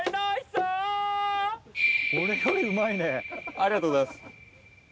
ありがとうございます。